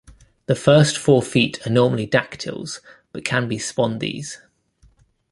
The first four feet are normally dactyls, but can be spondees.